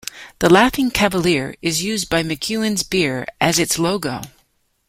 The "Laughing Cavalier" is used by McEwan's beer as its logo.